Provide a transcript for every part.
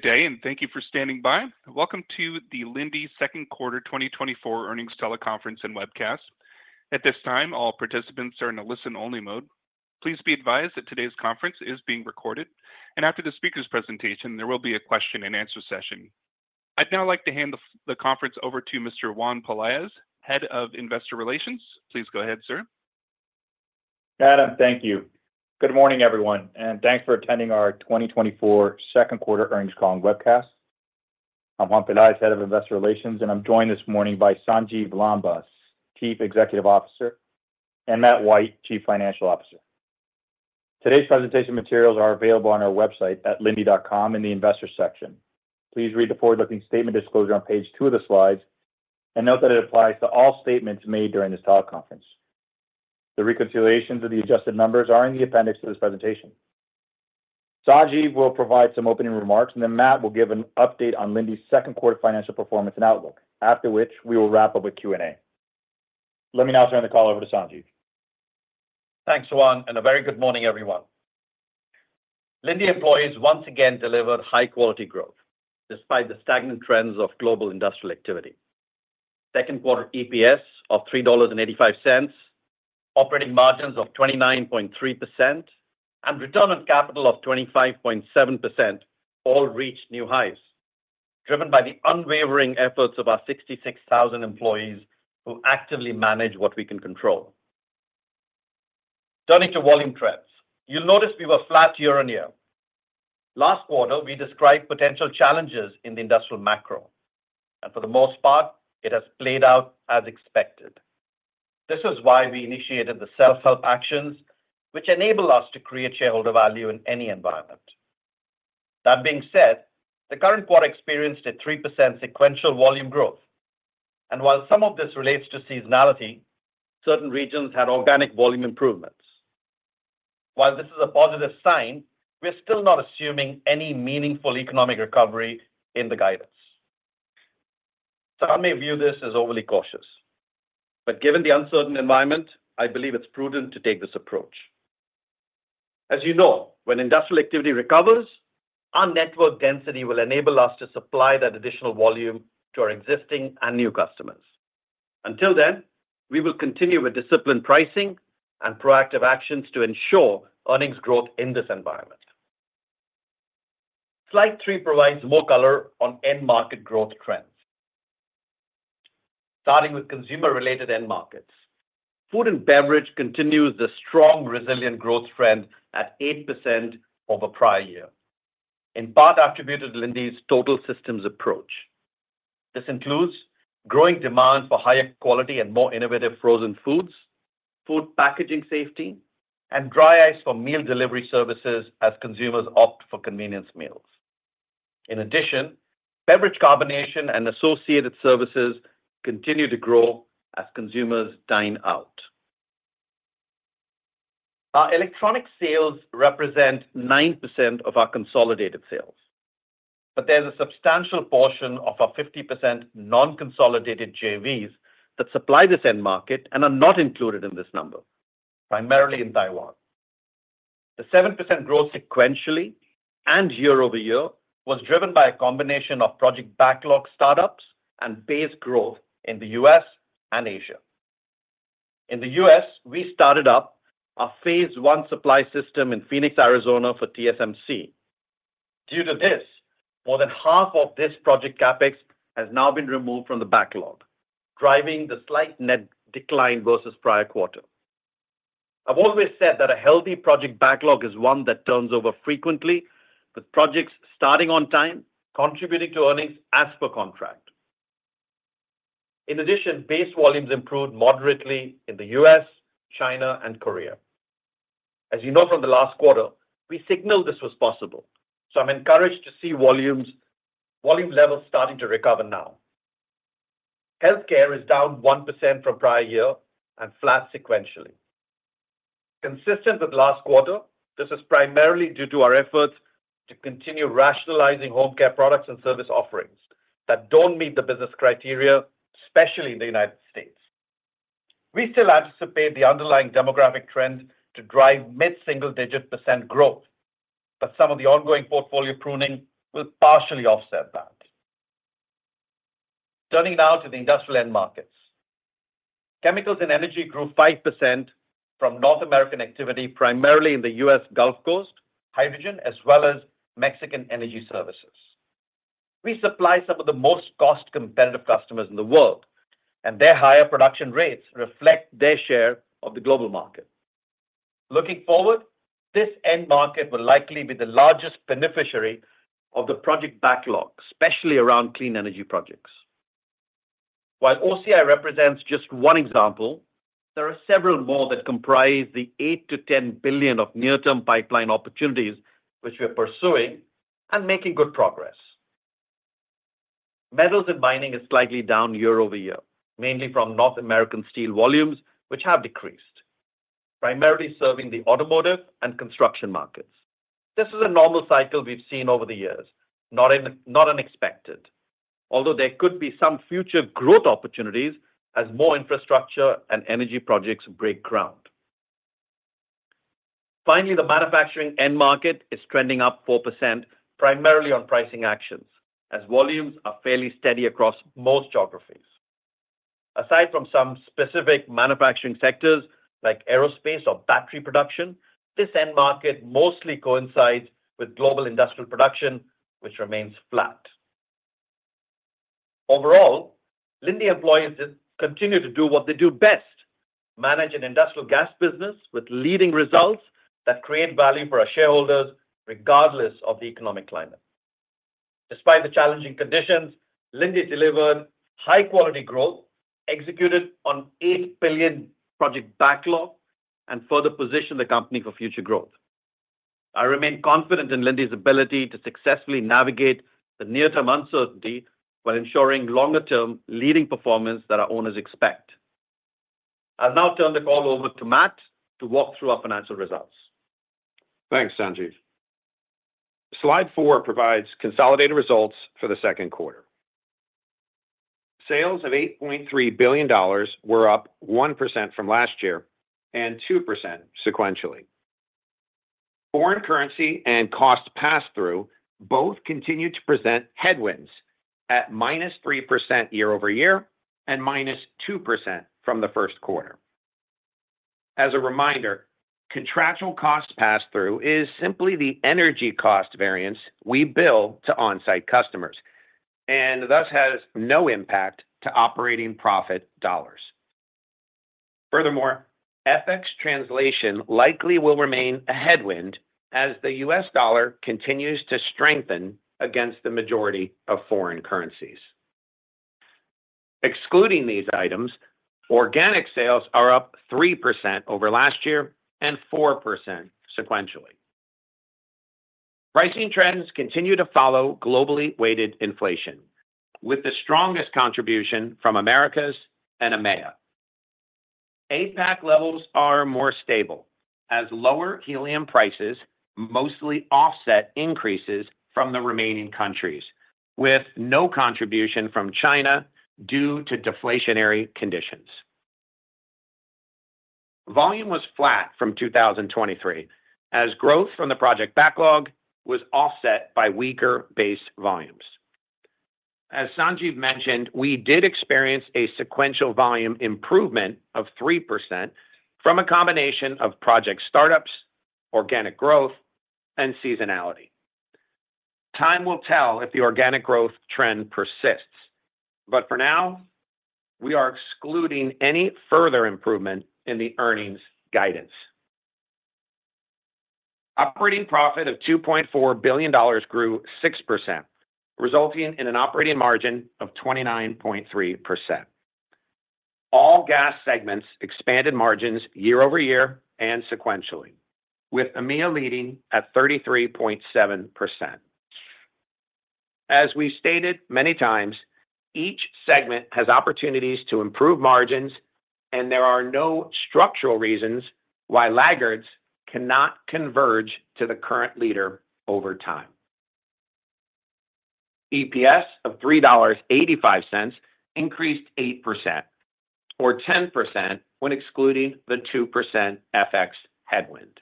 Good day, and thank you for standing by. Welcome to the Linde Second Quarter 2024 Earnings Teleconference and Webcast. At this time, all participants are in a listen-only mode. Please be advised that today's conference is being recorded, and after the speaker's presentation, there will be a question-and-answer session. I'd now like to hand the conference over to Mr. Juan Pelaez, Head of Investor Relations. Please go ahead, sir. Adam, thank you. Good morning, everyone, and thanks for attending our 2024 Second Quarter Earnings Call and webcast. I'm Juan Pelaez, Head of Investor Relations, and I'm joined this morning by Sanjiv Lamba, Chief Executive Officer, and Matt White, Chief Financial Officer. Today's presentation materials are available on our website at linde.com in the Investor section. Please read the forward-looking statement disclosure on page two of the slides and note that it applies to all statements made during this teleconference. The reconciliations of the adjusted numbers are in the appendix to this presentation. Sanjiv will provide some opening remarks, and then Matt will give an update on Linde's second quarter financial performance and outlook, after which we will wrap up with Q&A. Let me now turn the call over to Sanjiv. Thanks, Juan, and a very good morning, everyone. Linde employees once again delivered high-quality growth despite the stagnant trends of global industrial activity. Second quarter EPS of $3.85, operating margins of 29.3%, and return on capital of 25.7% all reached new highs, driven by the unwavering efforts of our 66,000 employees who actively manage what we can control. Turning to volume trends, you'll notice we were flat year-over-year. Last quarter, we described potential challenges in the industrial macro, and for the most part, it has played out as expected. This is why we initiated the self-help actions, which enable us to create shareholder value in any environment. That being said, the current quarter experienced a 3% sequential volume growth, and while some of this relates to seasonality, certain regions had organic volume improvements. While this is a positive sign, we're still not assuming any meaningful economic recovery in the guidance. Some may view this as overly cautious, but given the uncertain environment, I believe it's prudent to take this approach. As you know, when industrial activity recovers, our network density will enable us to supply that additional volume to our existing and new customers. Until then, we will continue with disciplined pricing and proactive actions to ensure earnings growth in this environment. Slide three provides more color on end market growth trends. Starting with consumer-related end markets, food and beverage continues the strong, resilient growth trend at 8% over prior year, in part attributed to Linde's total systems approach. This includes growing demand for higher quality and more innovative frozen foods, food packaging safety, and dry ice for meal delivery services as consumers opt for convenience meals. In addition, beverage carbonation and associated services continue to grow as consumers dine out. Our electronics sales represent 9% of our consolidated sales, but there's a substantial portion of our 50% non-consolidated JVs that supply this end market and are not included in this number, primarily in Taiwan. The 7% growth sequentially and year-over-year was driven by a combination of project backlog startups and base growth in the U.S. and Asia. In the U.S., we started up a phase I supply system in Phoenix, Arizona, for TSMC. Due to this, more than half of this project CapEx has now been removed from the backlog, driving the slight net decline versus prior quarter. I've always said that a healthy project backlog is one that turns over frequently, with projects starting on time, contributing to earnings as per contract. In addition, base volumes improved moderately in the U.S., China, and Korea. As you know from the last quarter, we signaled this was possible, so I'm encouraged to see volume levels starting to recover now. Healthcare is down 1% from prior year and flat sequentially. Consistent with last quarter, this is primarily due to our efforts to continue rationalizing home care products and service offerings that don't meet the business criteria, especially in the United States. We still anticipate the underlying demographic trends to drive mid-single digit % growth, but some of the ongoing portfolio pruning will partially offset that. Turning now to the industrial end markets, chemicals and energy grew 5% from North American activity, primarily in the U.S. Gulf Coast, hydrogen, as well as Mexican energy services. We supply some of the most cost-competitive customers in the world, and their higher production rates reflect their share of the global market. Looking forward, this end market will likely be the largest beneficiary of the project backlog, especially around clean energy projects. While OCI represents just one example, there are several more that comprise the $8 billion-$10 billion of near-term pipeline opportunities which we're pursuing and making good progress. Metals and mining is slightly down year-over-year, mainly from North American steel volumes, which have decreased, primarily serving the automotive and construction markets. This is a normal cycle we've seen over the years, not unexpected, although there could be some future growth opportunities as more infrastructure and energy projects break ground. Finally, the manufacturing end market is trending up 4%, primarily on pricing actions, as volumes are fairly steady across most geographies. Aside from some specific manufacturing sectors like aerospace or battery production, this end market mostly coincides with global industrial production, which remains flat. Overall, Linde employees continue to do what they do best: manage an industrial gas business with leading results that create value for our shareholders, regardless of the economic climate. Despite the challenging conditions, Linde delivered high-quality growth, executed on $8 billion project backlog, and further positioned the company for future growth. I remain confident in Linde's ability to successfully navigate the near-term uncertainty while ensuring longer-term leading performance that our owners expect. I'll now turn the call over to Matt to walk through our financial results. Thanks, Sanjiv. Slide 4 provides consolidated results for the second quarter. Sales of $8.3 billion were up 1% from last year and 2% sequentially. Foreign currency and cost pass-through both continue to present headwinds at -3% year-over-year and -2% from the first quarter. As a reminder, contractual cost pass-through is simply the energy cost variance we bill to on-site customers and thus has no impact to operating profit dollars. Furthermore, FX translation likely will remain a headwind as the U.S. dollar continues to strengthen against the majority of foreign currencies. Excluding these items, organic sales are up 3% over last year and 4% sequentially. Pricing trends continue to follow globally weighted inflation, with the strongest contribution from Americas and EMEA. APAC levels are more stable as lower helium prices mostly offset increases from the remaining countries, with no contribution from China due to deflationary conditions. Volume was flat from 2023 as growth from the project backlog was offset by weaker base volumes. As Sanjiv mentioned, we did experience a sequential volume improvement of 3% from a combination of project startups, organic growth, and seasonality. Time will tell if the organic growth trend persists, but for now, we are excluding any further improvement in the earnings guidance. Operating profit of $2.4 billion grew 6%, resulting in an operating margin of 29.3%. All gas segments expanded margins year-over-year and sequentially, with EMEA leading at 33.7%. As we've stated many times, each segment has opportunities to improve margins, and there are no structural reasons why laggards cannot converge to the current leader over time. EPS of $3.85 increased 8%, or 10% when excluding the 2% FX headwind.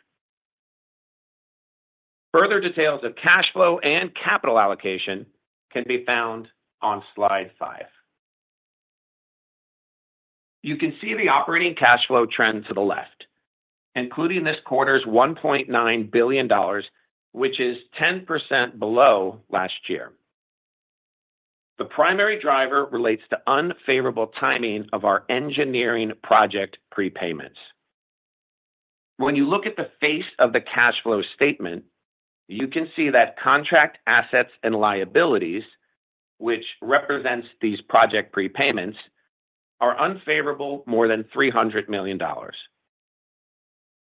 Further details of cash flow and capital allocation can be found on slide five. You can see the operating cash flow trend to the left, including this quarter's $1.9 billion, which is 10% below last year. The primary driver relates to unfavorable timing of our engineering project prepayments. When you look at the face of the cash flow statement, you can see that contract assets and liabilities, which represents these project prepayments, are unfavorable more than $300 million.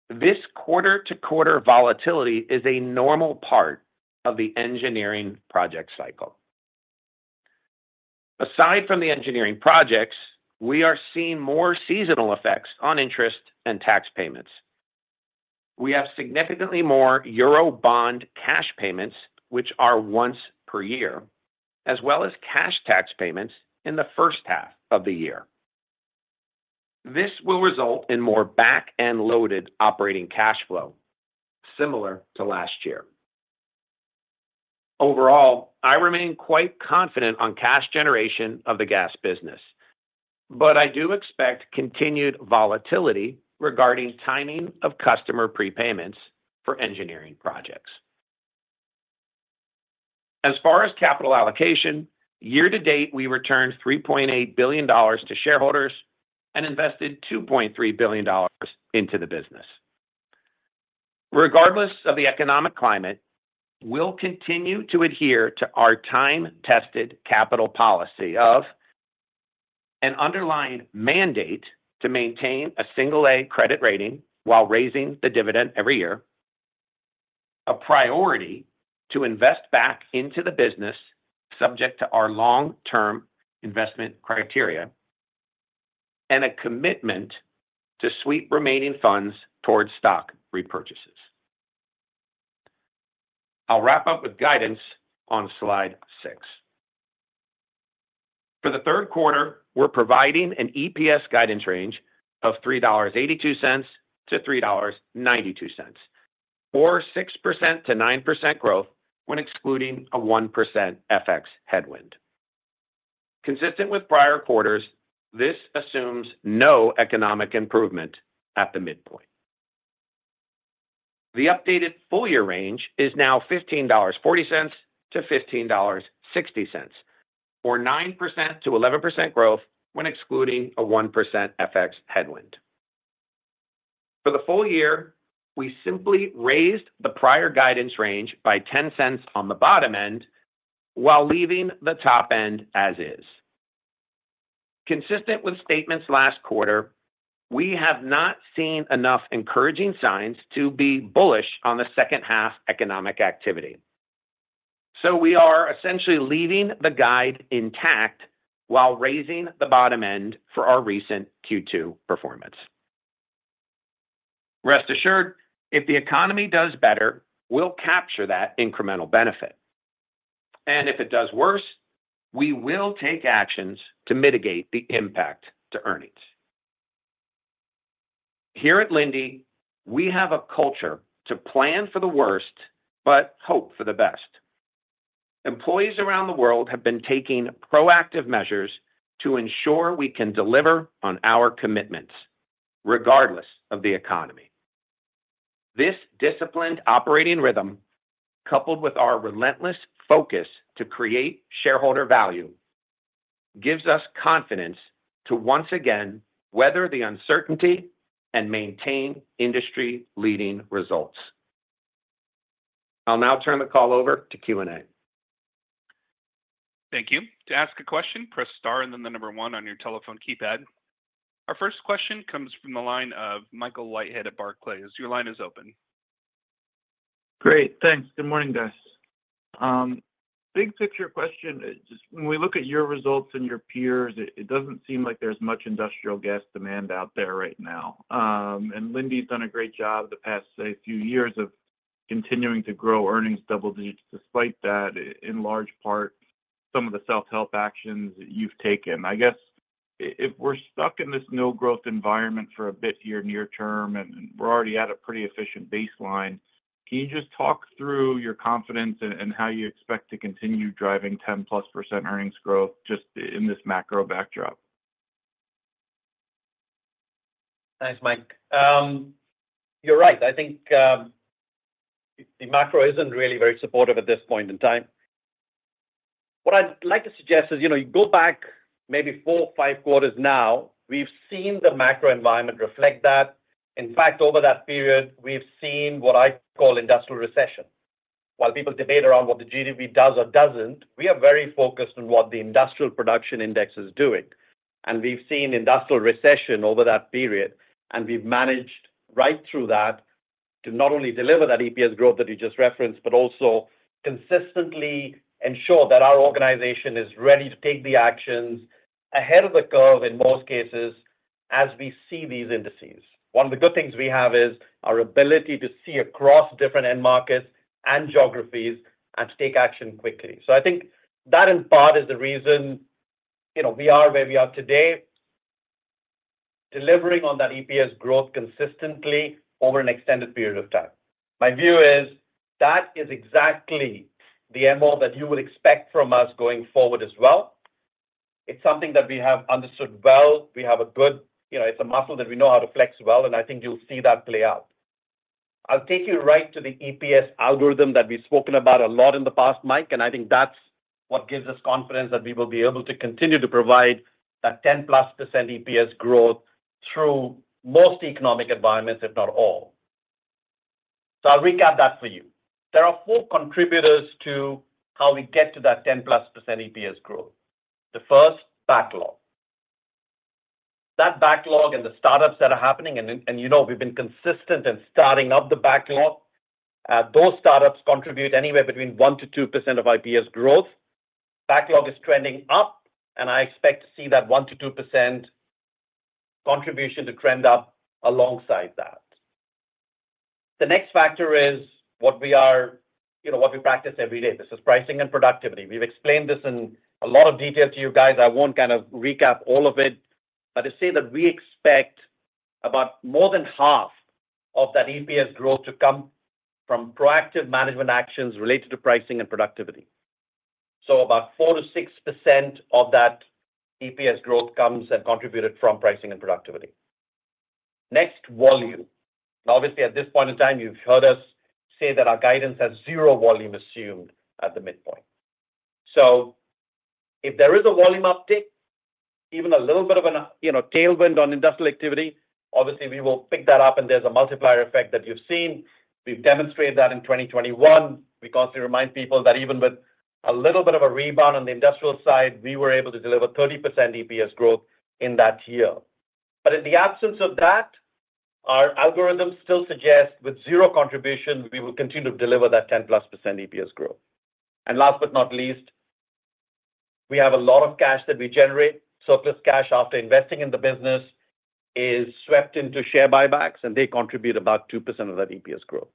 This quarter-to-quarter volatility is a normal part of the engineering project cycle. Aside from the engineering projects, we are seeing more seasonal effects on interest and tax payments. We have significantly more Eurobond cash payments, which are once per year, as well as cash tax payments in the first half of the year. This will result in more back-end loaded operating cash flow, similar to last year. Overall, I remain quite confident on cash generation of the gas business, but I do expect continued volatility regarding timing of customer prepayments for engineering projects. As far as capital allocation, year-to-date, we returned $3.8 billion to shareholders and invested $2.3 billion into the business. Regardless of the economic climate, we'll continue to adhere to our time-tested capital policy of an underlying mandate to maintain a single-A credit rating while raising the dividend every year, a priority to invest back into the business subject to our long-term investment criteria, and a commitment to sweep remaining funds towards stock repurchases. I'll wrap up with guidance on slide six. For the third quarter, we're providing an EPS guidance range of $3.82-$3.92, or 6%-9% growth when excluding a 1% FX headwind. Consistent with prior quarters, this assumes no economic improvement at the midpoint. The updated full-year range is now $15.40-$15.60, or 9%-11% growth when excluding a 1% FX headwind. For the full year, we simply raised the prior guidance range by $0.10 on the bottom end while leaving the top end as is. Consistent with statements last quarter, we have not seen enough encouraging signs to be bullish on the second half economic activity. We are essentially leaving the guide intact while raising the bottom end for our recent Q2 performance. Rest assured, if the economy does better, we'll capture that incremental benefit. If it does worse, we will take actions to mitigate the impact to earnings. Here at Linde, we have a culture to plan for the worst but hope for the best. Employees around the world have been taking proactive measures to ensure we can deliver on our commitments, regardless of the economy. This disciplined operating rhythm, coupled with our relentless focus to create shareholder value, gives us confidence to once again weather the uncertainty and maintain industry-leading results. I'll now turn the call over to Q&A. Thank you. To ask a question, press star and then the number one on your telephone keypad. Our first question comes from the line of Michael Leithead at Barclays. Your line is open. Great. Thanks. Good morning, guys. Big picture question. When we look at your results and your peers, it doesn't seem like there's much industrial gas demand out there right now. Linde's done a great job the past, say, few years of continuing to grow earnings double digits despite that, in large part, some of the self-help actions you've taken. I guess if we're stuck in this no-growth environment for a bit here near-term and we're already at a pretty efficient baseline, can you just talk through your confidence and how you expect to continue driving 10% plus earnings growth just in this macro backdrop? Thanks, Mike. You're right. I think the macro isn't really very supportive at this point in time. What I'd like to suggest is you go back maybe four or five quarters now. We've seen the macro environment reflect that. In fact, over that period, we've seen what I call industrial recession. While people debate around what the GDP does or doesn't, we are very focused on what the industrial production index is doing. And we've seen industrial recession over that period, and we've managed right through that to not only deliver that EPS growth that you just referenced, but also consistently ensure that our organization is ready to take the actions ahead of the curve in most cases as we see these indices. One of the good things we have is our ability to see across different end markets and geographies and to take action quickly. So I think that in part is the reason we are where we are today, delivering on that EPS growth consistently over an extended period of time. My view is that is exactly the MO that you would expect from us going forward as well. It's something that we have understood well. We have a good. It's a muscle that we know how to flex well, and I think you'll see that play out. I'll take you right to the EPS algorithm that we've spoken about a lot in the past, Mike, and I think that's what gives us confidence that we will be able to continue to provide that 10% plus EPS growth through most economic environments, if not all. So I'll recap that for you. There are four contributors to how we get to that 10% plus EPS growth. The first, backlog. That backlog and the startups that are happening, and we've been consistent in starting up the backlog, those startups contribute anywhere between 1%-2% of EPS growth. Backlog is trending up, and I expect to see that 1%-2% contribution to trend up alongside that. The next factor is what we are—what we practice every day. This is pricing and productivity. We've explained this in a lot of detail to you guys. I won't kind of recap all of it, but I say that we expect about more than half of that EPS growth to come from proactive management actions related to pricing and productivity. So about 4%-6% of that EPS growth comes and contributed from pricing and productivity. Next, volume. Obviously, at this point in time, you've heard us say that our guidance has 0 volume assumed at the midpoint. So if there is a volume uptake, even a little bit of a tailwind on industrial activity, obviously, we will pick that up, and there's a multiplier effect that you've seen. We've demonstrated that in 2021. We constantly remind people that even with a little bit of a rebound on the industrial side, we were able to deliver 30% EPS growth in that year. But in the absence of that, our algorithms still suggest with zero contribution, we will continue to deliver that 10% plus EPS growth. And last but not least, we have a lot of cash that we generate. Surplus cash after investing in the business is swept into share buybacks, and they contribute about 2% of that EPS growth.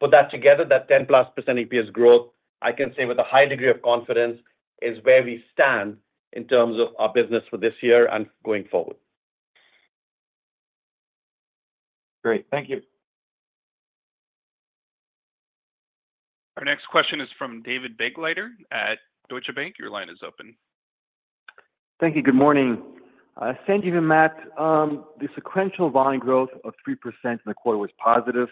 Put that together, that 10% plus EPS growth, I can say with a high degree of confidence, is where we stand in terms of our business for this year and going forward. Great. Thank you. Our next question is from David Begleiter at Deutsche Bank. Your line is open. Thank you. Good morning. Sanjiv and Matt, the sequential volume growth of 3% in the quarter was positive.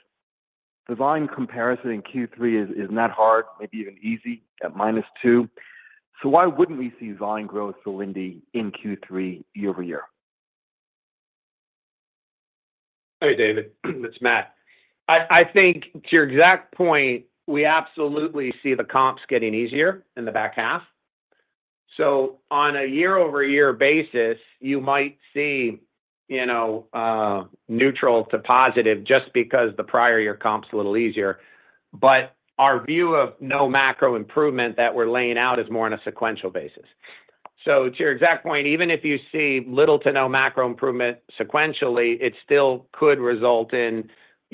The volume comparison in Q3 is not hard, maybe even easy, at -2%. So why wouldn't we see volume growth for Linde in Q3 year-over-year? Hey, David. It's Matt. I think to your exact point, we absolutely see the comps getting easier in the back half. So on a year-over-year basis, you might see neutral to positive just because the prior year comp's a little easier. But our view of no macro improvement that we're laying out is more on a sequential basis. So to your exact point, even if you see little to no macro improvement sequentially, it still could result in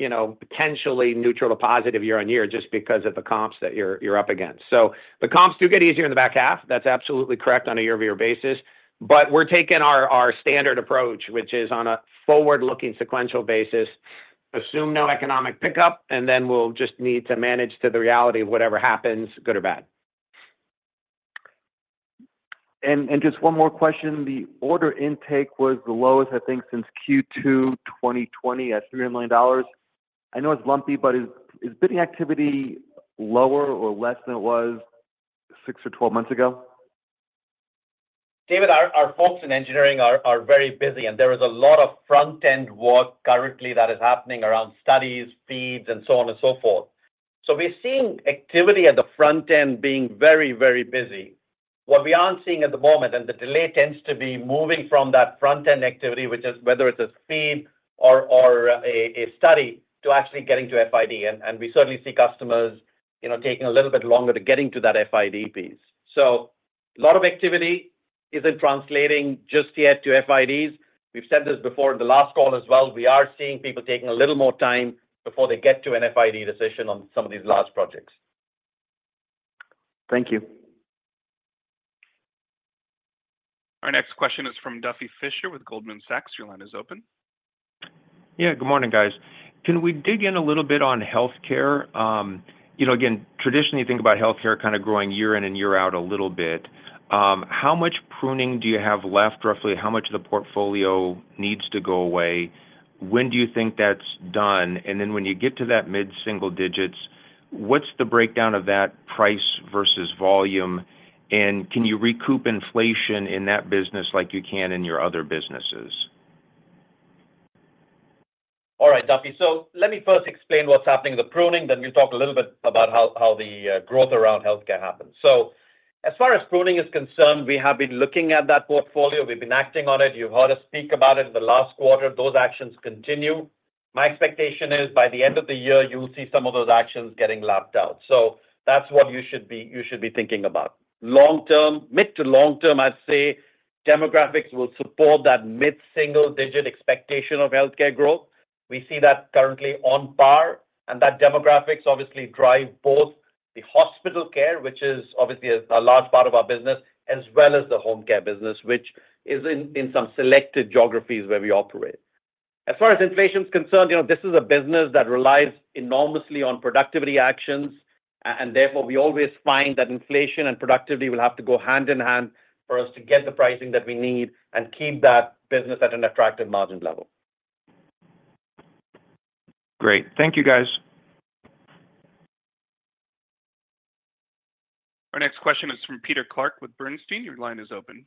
potentially neutral to positive year-on-year just because of the comps that you're up against. So the comps do get easier in the back half. That's absolutely correct on a year-over-year basis. But we're taking our standard approach, which is on a forward-looking sequential basis, assume no economic pickup, and then we'll just need to manage to the reality of whatever happens, good or bad. Just one more question. The order intake was the lowest, I think, since Q2 2020 at $300 million. I know it's lumpy, but is bidding activity lower or less than it was six or 12 months ago? David, our folks in engineering are very busy, and there is a lot of front-end work currently that is happening around studies, FEEDs, and so on and so forth. So we're seeing activity at the front end being very, very busy. What we aren't seeing at the moment, and the delay tends to be moving from that front-end activity, which is whether it's a FEED or a study, to actually getting to FID. And we certainly see customers taking a little bit longer to getting to that FID piece. So a lot of activity isn't translating just yet to FIDs. We've said this before in the last call as well. We are seeing people taking a little more time before they get to an FID decision on some of these large projects. Thank you. Our next question is from Duffy Fischer with Goldman Sachs. Your line is open. Yeah. Good morning, guys. Can we dig in a little bit on healthcare? Again, traditionally, you think about healthcare kind of growing year in and year out a little bit. How much pruning do you have left? Roughly, how much of the portfolio needs to go away? When do you think that's done? And then when you get to that mid-single digits, what's the breakdown of that price versus volume? And can you recoup inflation in that business like you can in your other businesses? All right, Duffy. So let me first explain what's happening with the pruning, then we'll talk a little bit about how the growth around healthcare happens. So as far as pruning is concerned, we have been looking at that portfolio. We've been acting on it. You've heard us speak about it in the last quarter. Those actions continue. My expectation is by the end of the year, you'll see some of those actions getting lapped out. So that's what you should be thinking about. Long-term, mid to long-term, I'd say demographics will support that mid-single-digit expectation of healthcare growth. We see that currently on par. That demographics obviously drive both the hospital care, which is obviously a large part of our business, as well as the home care business, which is in some selected geographies where we operate. As far as inflation's concerned, this is a business that relies enormously on productivity actions. Therefore, we always find that inflation and productivity will have to go hand in hand for us to get the pricing that we need and keep that business at an attractive margin level. Great. Thank you, guys. Our next question is from Peter Clark with Bernstein. Your line is open.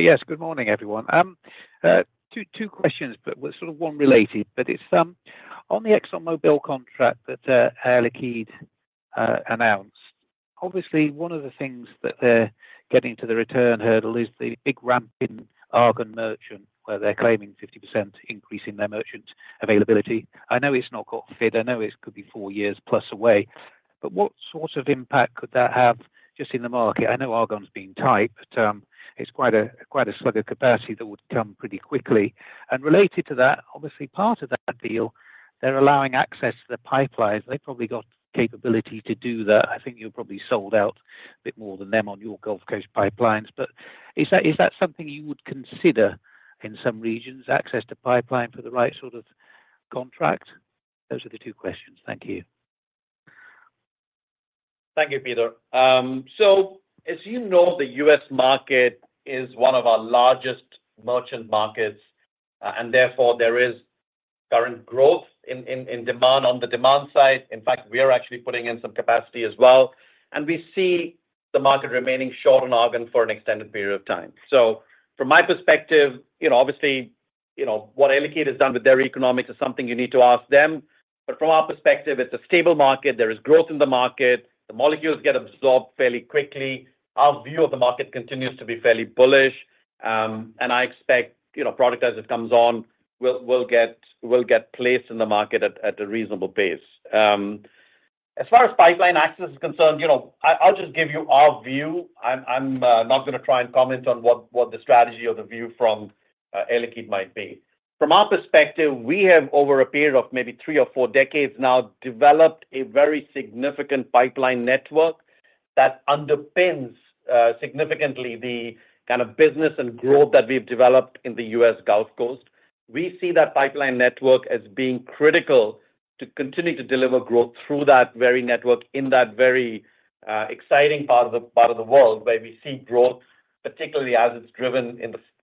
Yes. Good morning, everyone. Two questions, but sort of one related. But it's on the ExxonMobil contract that Air Liquide announced. Obviously, one of the things that they're getting to the return hurdle is the big ramp in argon merchant, where they're claiming 50% increase in their merchant availability. I know it's not quite fit. I know it could be four years plus away. But what sort of impact could that have just in the market? I know argon's being tight, but it's quite a slug of capacity that would come pretty quickly. And related to that, obviously, part of that deal, they're allowing access to the pipelines. They probably got capability to do that. I think you're probably sold out a bit more than them on your Gulf Coast pipelines. But is that something you would consider in some regions, access to pipeline for the right sort of contract? Those are the two questions. Thank you. Thank you, Peter. So as you know, the U.S. market is one of our largest merchant markets. Therefore, there is current growth in demand on the demand side. In fact, we are actually putting in some capacity as well. We see the market remaining short on argon for an extended period of time. So from my perspective, obviously, what Air Liquide has done with their economics is something you need to ask them. But from our perspective, it's a stable market. There is growth in the market. The molecules get absorbed fairly quickly. Our view of the market continues to be fairly bullish. I expect product as it comes on, we'll get placed in the market at a reasonable pace. As far as pipeline access is concerned, I'll just give you our view. I'm not going to try and comment on what the strategy or the view from Air Liquide might be. From our perspective, we have, over a period of maybe three or four decades now, developed a very significant pipeline network that underpins significantly the kind of business and growth that we've developed in the U.S. Gulf Coast. We see that pipeline network as being critical to continue to deliver growth through that very network in that very exciting part of the world where we see growth, particularly as it's driven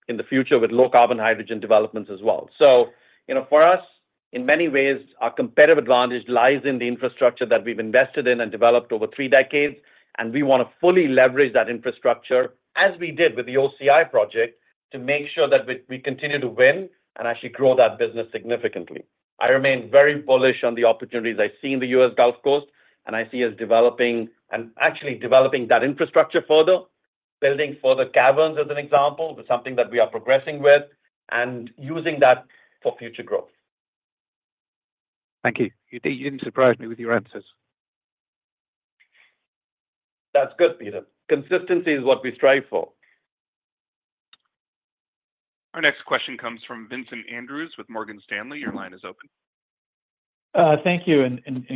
in the future with low carbon hydrogen developments as well. So for us, in many ways, our competitive advantage lies in the infrastructure that we've invested in and developed over three decades. We want to fully leverage that infrastructure, as we did with the OCI project, to make sure that we continue to win and actually grow that business significantly. I remain very bullish on the opportunities I see in the U.S. Gulf Coast and I see us developing and actually developing that infrastructure further, building further caverns as an example, something that we are progressing with, and using that for future growth. Thank you. You didn't surprise me with your answers. That's good, Peter. Consistency is what we strive for. Our next question comes from Vincent Andrews with Morgan Stanley. Your line is open. Thank you.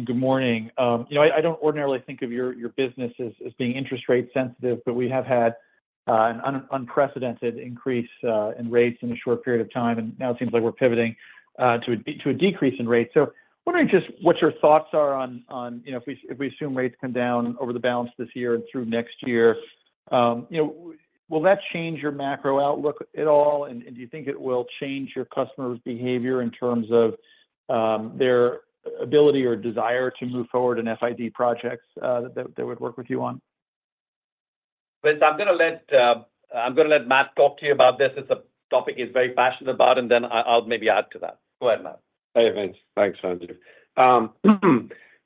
Good morning. I don't ordinarily think of your business as being interest rate sensitive, but we have had an unprecedented increase in rates in a short period of time. Now it seems like we're pivoting to a decrease in rates. I'm wondering just what your thoughts are on if we assume rates come down over the balance of this year and through next year. Will that change your macro outlook at all? Do you think it will change your customers' behavior in terms of their ability or desire to move forward in FID projects that they would work with you on? Vince, I'm going to let Matt talk to you about this. It's a topic he's very passionate about. And then I'll maybe add to that. Go ahead, Matt. Hey, Vince. Thanks, Andrew.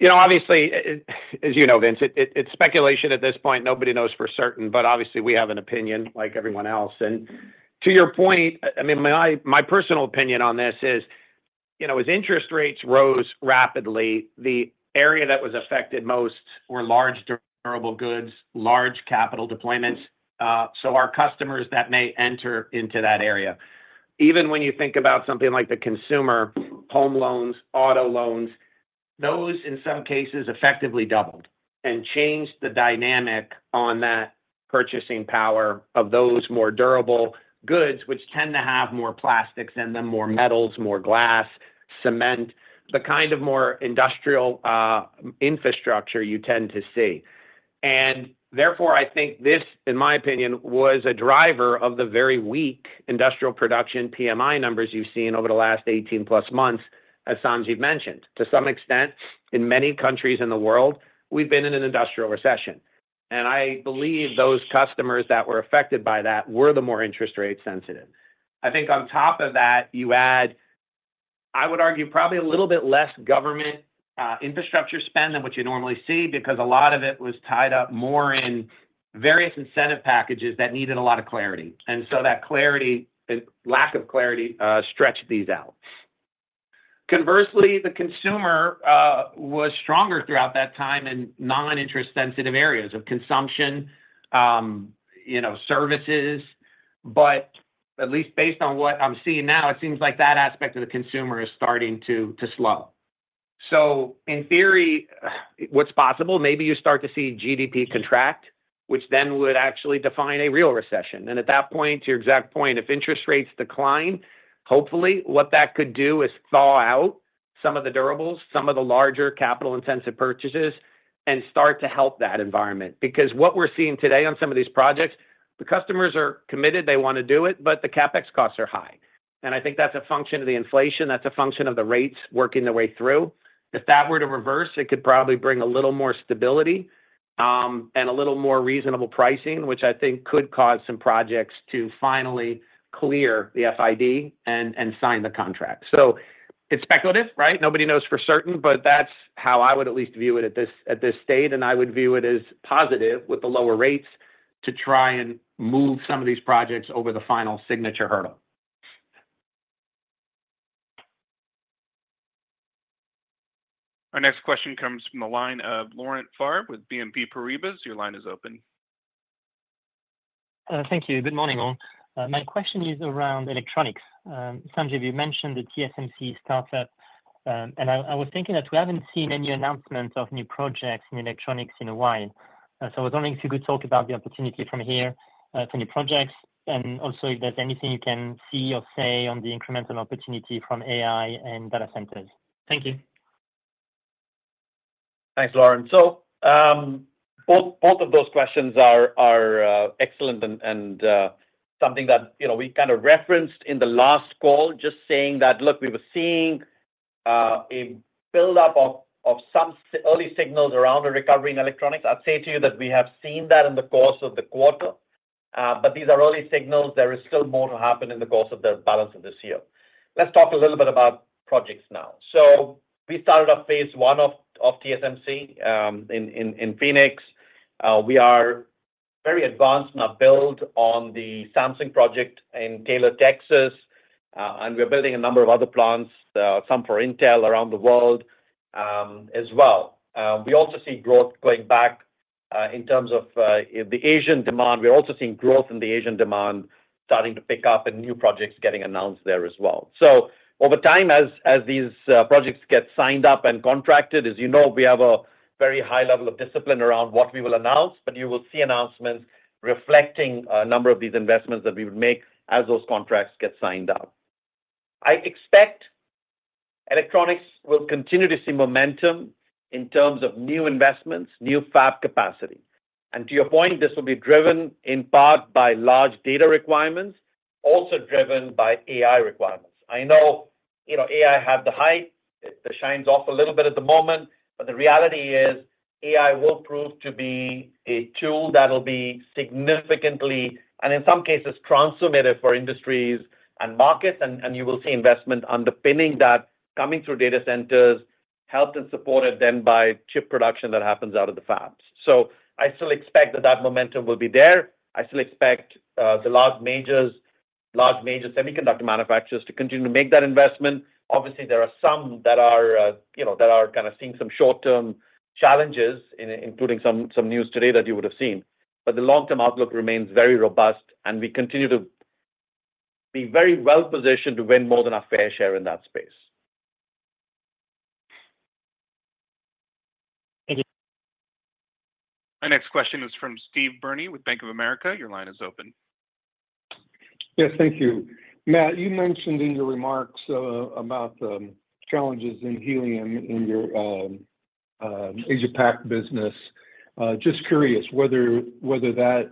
Obviously, as you know, Vince, it's speculation at this point. Nobody knows for certain. But obviously, we have an opinion like everyone else. And to your point, I mean, my personal opinion on this is as interest rates rose rapidly, the area that was affected most were large durable goods, large capital deployments. So our customers that may enter into that area. Even when you think about something like the consumer, home loans, auto loans, those in some cases effectively doubled and changed the dynamic on that purchasing power of those more durable goods, which tend to have more plastics in them, more metals, more glass, cement, the kind of more industrial infrastructure you tend to see. And therefore, I think this, in my opinion, was a driver of the very weak industrial production PMI numbers you've seen over the last 18+ months, as Sanjiv mentioned. To some extent, in many countries in the world, we've been in an industrial recession. And I believe those customers that were affected by that were the more interest rate sensitive. I think on top of that, you add, I would argue, probably a little bit less government infrastructure spend than what you normally see because a lot of it was tied up more in various incentive packages that needed a lot of clarity. And so that clarity and lack of clarity stretched these out. Conversely, the consumer was stronger throughout that time in non-interest-sensitive areas of consumption, services. But at least based on what I'm seeing now, it seems like that aspect of the consumer is starting to slow. So in theory, what's possible, maybe you start to see GDP contract, which then would actually define a real recession. At that point, to your exact point, if interest rates decline, hopefully, what that could do is thaw out some of the durables, some of the larger capital-intensive purchases, and start to help that environment. Because what we're seeing today on some of these projects, the customers are committed. They want to do it, but the CapEx costs are high. And I think that's a function of the inflation. That's a function of the rates working their way through. If that were to reverse, it could probably bring a little more stability and a little more reasonable pricing, which I think could cause some projects to finally clear the FID and sign the contract. So it's speculative, right? Nobody knows for certain, but that's how I would at least view it at this stage. I would view it as positive with the lower rates to try and move some of these projects over the final signature hurdle. Our next question comes from the line of Laurent Favre with BNP Paribas. Your line is open. Thank you. Good morning, all. My question is around electronics. Sanjiv, you mentioned the TSMC startup. I was thinking that we haven't seen any announcements of new projects in electronics in a while. I was wondering if you could talk about the opportunity from here for new projects and also if there's anything you can see or say on the incremental opportunity from AI and data centers. Thank you. Thanks, Laurent. So both of those questions are excellent and something that we kind of referenced in the last call, just saying that, look, we were seeing a buildup of some early signals around the recovery in electronics. I'd say to you that we have seen that in the course of the quarter. But these are early signals. There is still more to happen in the course of the balance of this year. Let's talk a little bit about projects now. So we started off phase I of TSMC in Phoenix. We are very advanced in our build on the Samsung project in Taylor, Texas. And we're building a number of other plants, some for Intel around the world as well. We also see growth going back in terms of the Asian demand. We're also seeing growth in the Asian demand starting to pick up and new projects getting announced there as well. So over time, as these projects get signed up and contracted, as you know, we have a very high level of discipline around what we will announce. But you will see announcements reflecting a number of these investments that we would make as those contracts get signed up. I expect electronics will continue to see momentum in terms of new investments, new fab capacity. And to your point, this will be driven in part by large data requirements, also driven by AI requirements. I know AI has the hype. It shines off a little bit at the moment. But the reality is AI will prove to be a tool that will be significantly and in some cases transformative for industries and markets. You will see investment underpinning that coming through data centers, helped and supported then by chip production that happens out of the fabs. I still expect that that momentum will be there. I still expect the large major semiconductor manufacturers to continue to make that investment. Obviously, there are some that are kind of seeing some short-term challenges, including some news today that you would have seen. The long-term outlook remains very robust. We continue to be very well positioned to win more than our fair share in that space. Thank you. Our next question is from Steve Byrne with Bank of America. Your line is open. Yes, thank you. Matt, you mentioned in your remarks about the challenges in helium in your Asia-Pac business. Just curious whether that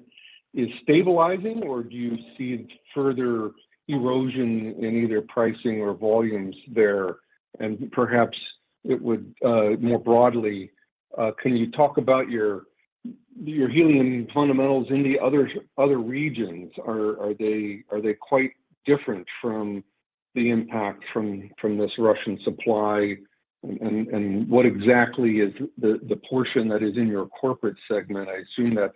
is stabilizing, or do you see further erosion in either pricing or volumes there? And perhaps it would more broadly, can you talk about your helium fundamentals in the other regions? Are they quite different from the impact from this Russian supply? And what exactly is the portion that is in your corporate segment? I assume that's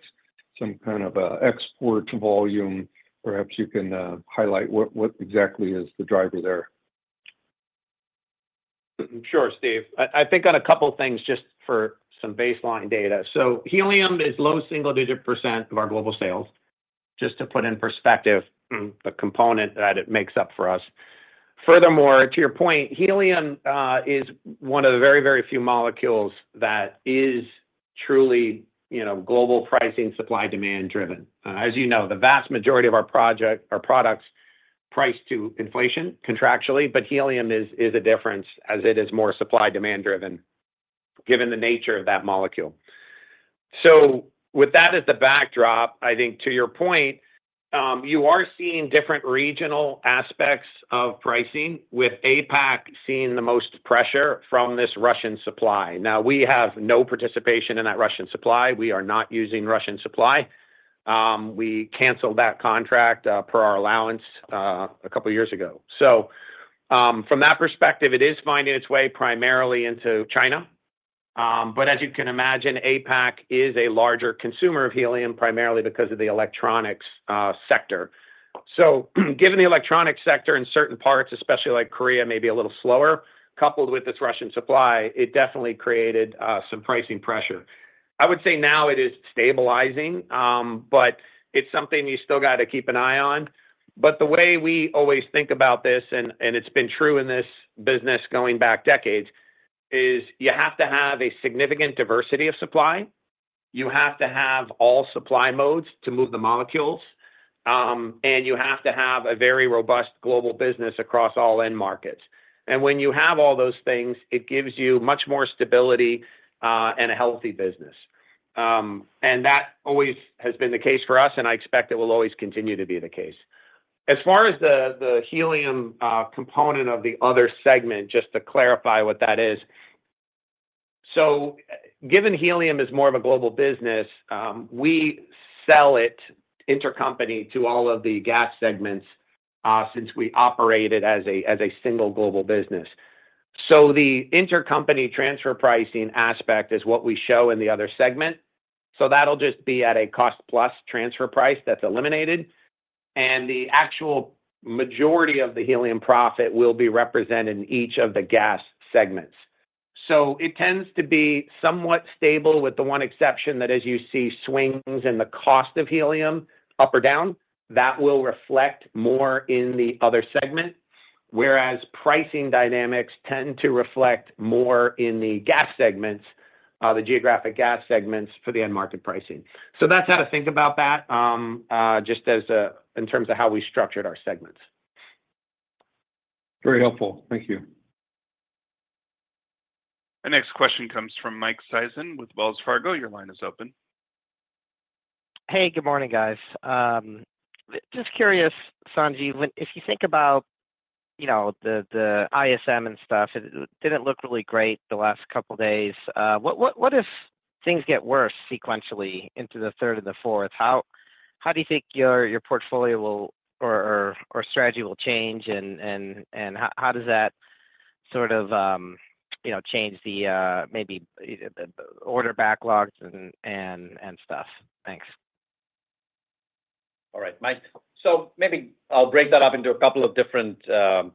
some kind of export volume. Perhaps you can highlight what exactly is the driver there. Sure, Steve. I think on a couple of things just for some baseline data. So helium is low single-digit % of our global sales, just to put in perspective the component that it makes up for us. Furthermore, to your point, helium is one of the very, very few molecules that is truly global pricing supply-demand driven. As you know, the vast majority of our products price to inflation contractually. But helium is a difference as it is more supply-demand driven given the nature of that molecule. So with that as the backdrop, I think to your point, you are seeing different regional aspects of pricing with APAC seeing the most pressure from this Russian supply. Now, we have no participation in that Russian supply. We are not using Russian supply. We canceled that contract per our allowance a couple of years ago. So from that perspective, it is finding its way primarily into China. But as you can imagine, APAC is a larger consumer of helium primarily because of the electronics sector. So given the electronics sector in certain parts, especially like Korea, maybe a little slower, coupled with this Russian supply, it definitely created some pricing pressure. I would say now it is stabilizing, but it's something you still got to keep an eye on. But the way we always think about this, and it's been true in this business going back decades, is you have to have a significant diversity of supply. You have to have all supply modes to move the molecules. And you have to have a very robust global business across all end markets. And when you have all those things, it gives you much more stability and a healthy business. That always has been the case for us. I expect it will always continue to be the case. As far as the helium component of the other segment, just to clarify what that is, so given helium is more of a global business, we sell it intercompany to all of the gas segments since we operate it as a single global business. The intercompany transfer pricing aspect is what we show in the other segment. That'll just be at a cost-plus transfer price that's eliminated. The actual majority of the helium profit will be represented in each of the gas segments. It tends to be somewhat stable with the one exception that, as you see, swings in the cost of helium up or down. That will reflect more in the other segment, whereas pricing dynamics tend to reflect more in the gas segments, the geographic gas segments for the end market pricing. So that's how to think about that just in terms of how we structured our segments. Very helpful. Thank you. Our next question comes from Mike Sison with Wells Fargo. Your line is open. Hey, good morning, guys. Just curious, Sanjiv, if you think about the ISM and stuff, it didn't look really great the last couple of days. What if things get worse sequentially into the third and the fourth? How do you think your portfolio or strategy will change? And how does that sort of change the maybe order backlogs and stuff? Thanks. All right, Mike. So maybe I'll break that up into a couple of different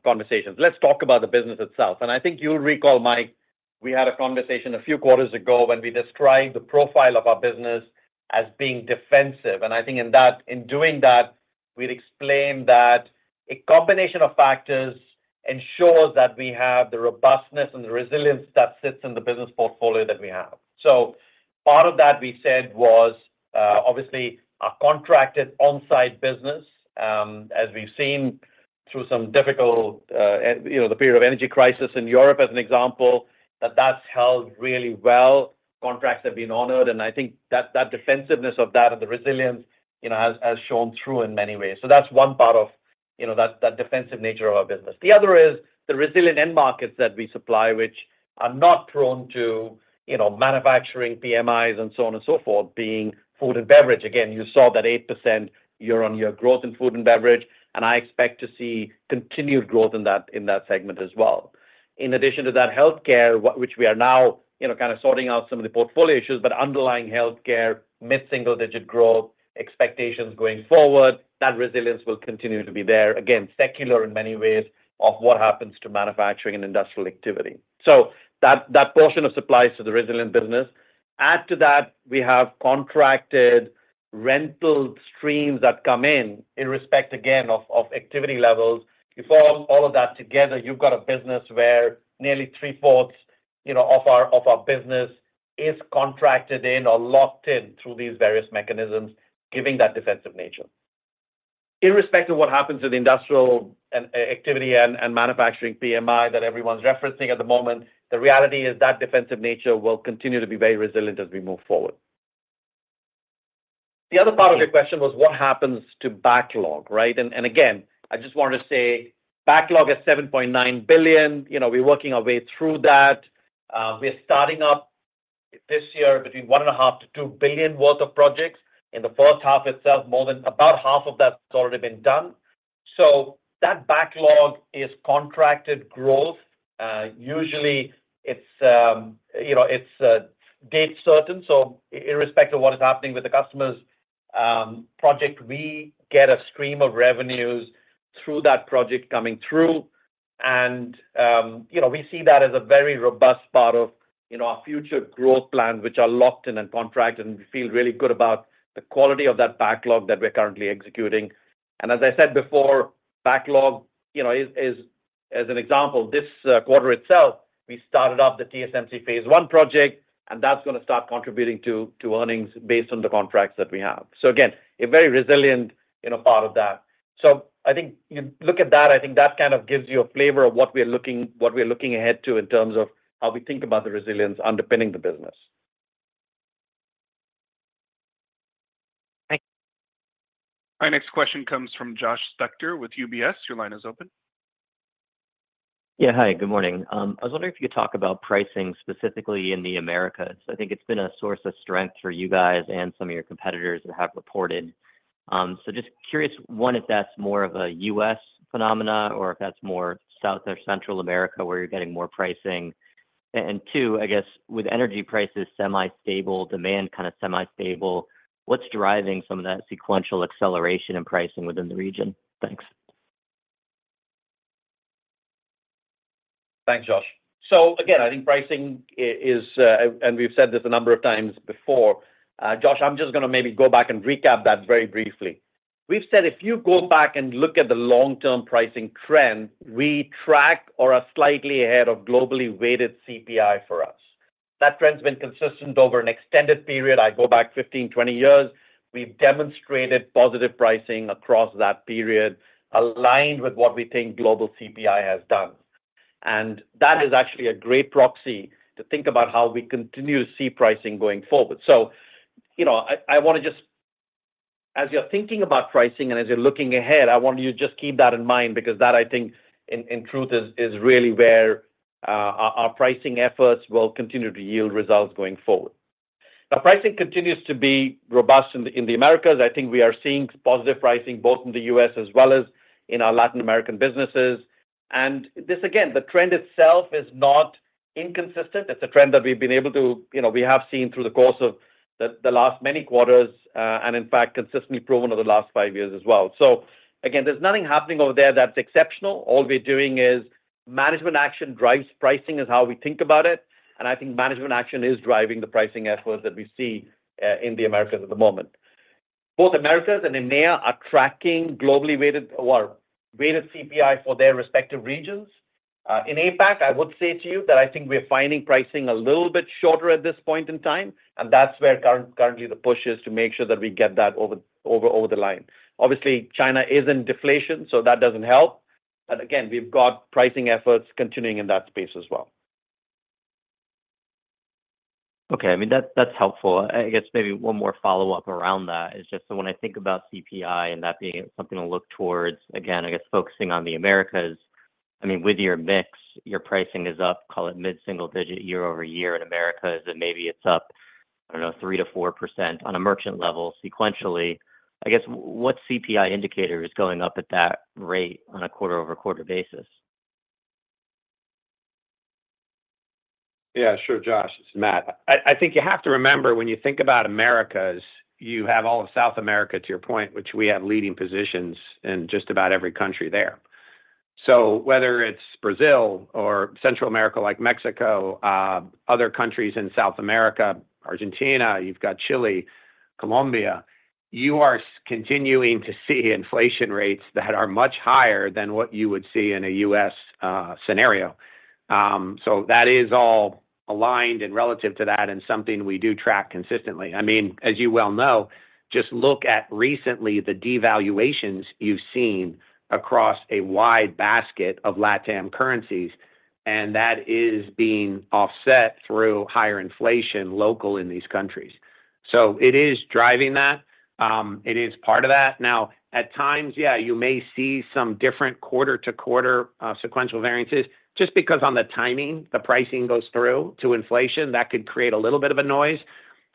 conversations. Let's talk about the business itself. And I think you'll recall, Mike, we had a conversation a few quarters ago when we described the profile of our business as being defensive. And I think in doing that, we explained that a combination of factors ensures that we have the robustness and the resilience that sits in the business portfolio that we have. So part of that we said was obviously our contracted onsite business, as we've seen through some difficult period of energy crisis in Europe as an example, that that's held really well. Contracts have been honored. And I think that defensiveness of that and the resilience has shown through in many ways. So that's one part of that defensive nature of our business. The other is the resilient end markets that we supply, which are not prone to manufacturing PMIs and so on and so forth being food and beverage. Again, you saw that 8% year-on-year growth in food and beverage. I expect to see continued growth in that segment as well. In addition to that, healthcare, which we are now kind of sorting out some of the portfolio issues, but underlying healthcare, mid-single-digit growth, expectations going forward, that resilience will continue to be there. Again, secular in many ways of what happens to manufacturing and industrial activity. So that portion of supplies to the resilient business. Add to that, we have contracted rental streams that come in in respect, again, of activity levels. You form all of that together, you've got a business where nearly three-fourths of our business is contracted in or locked in through these various mechanisms, giving that defensive nature. In respect to what happens to the industrial activity and manufacturing PMI that everyone's referencing at the moment, the reality is that defensive nature will continue to be very resilient as we move forward. The other part of your question was what happens to backlog, right? And again, I just wanted to say backlog is $7.9 billion. We're working our way through that. We're starting up this year between $1.5-$2 billion worth of projects. In the first half itself, more than about half of that has already been done. So that backlog is contracted growth. Usually, it's date certain. So irrespective of what is happening with the customers' project, we get a stream of revenues through that project coming through. We see that as a very robust part of our future growth plans, which are locked in and contracted. We feel really good about the quality of that backlog that we're currently executing. As I said before, backlog, as an example, this quarter itself, we started up the TSMC phase I project. That's going to start contributing to earnings based on the contracts that we have. Again, a very resilient part of that. I think you look at that, I think that kind of gives you a flavor of what we're looking ahead to in terms of how we think about the resilience underpinning the business. Our next question comes from Josh Spector with UBS. Your line is open. Yeah, hi. Good morning. I was wondering if you could talk about pricing specifically in the Americas. I think it's been a source of strength for you guys and some of your competitors that have reported. So just curious, one, if that's more of a U.S. phenomena or if that's more South or Central America where you're getting more pricing. And two, I guess, with energy prices semi-stable, demand kind of semi-stable, what's driving some of that sequential acceleration in pricing within the region? Thanks. Thanks, Josh. So again, I think pricing is, and we've said this a number of times before, Josh. I'm just going to maybe go back and recap that very briefly. We've said if you go back and look at the long-term pricing trend, we track or are slightly ahead of globally weighted CPI for us. That trend's been consistent over an extended period. I go back 15, 20 years. We've demonstrated positive pricing across that period aligned with what we think global CPI has done. And that is actually a great proxy to think about how we continue to see pricing going forward. So I want to just, as you're thinking about pricing and as you're looking ahead, I want you to just keep that in mind because that, I think, in truth, is really where our pricing efforts will continue to yield results going forward. Now, pricing continues to be robust in the Americas. I think we are seeing positive pricing both in the U.S. as well as in our Latin American businesses. And this, again, the trend itself is not inconsistent. It's a trend that we've been able to, we have seen through the course of the last many quarters and, in fact, consistently proven over the last five years as well. So again, there's nothing happening over there that's exceptional. All we're doing is management action drives pricing is how we think about it. And I think management action is driving the pricing efforts that we see in the Americas at the moment. Both Americas and EMEA are tracking globally weighted CPI for their respective regions. In APAC, I would say to you that I think we're finding pricing a little bit shorter at this point in time. And that's where currently the push is to make sure that we get that over the line. Obviously, China is in deflation, so that doesn't help. But again, we've got pricing efforts continuing in that space as well. Okay. I mean, that's helpful. I guess maybe one more follow-up around that is just when I think about CPI and that being something to look towards, again, I guess focusing on the Americas, I mean, with your mix, your pricing is up, call it mid-single digit year-over-year in Americas, and maybe it's up, I don't know, 3%-4% on a merchant level sequentially. I guess what CPI indicator is going up at that rate on a quarter-over-quarter basis? Yeah, sure, Josh. This is Matt. I think you have to remember when you think about Americas, you have all of South America to your point, which we have leading positions in just about every country there. So whether it's Brazil or Central America like Mexico, other countries in South America, Argentina, you've got Chile, Colombia, you are continuing to see inflation rates that are much higher than what you would see in a U.S. scenario. So that is all aligned and relative to that and something we do track consistently. I mean, as you well know, just look at recently the devaluations you've seen across a wide basket of LATAM currencies. And that is being offset through higher inflation local in these countries. So it is driving that. It is part of that. Now, at times, yeah, you may see some different quarter-to-quarter sequential variances just because on the timing, the pricing goes through to inflation. That could create a little bit of a noise.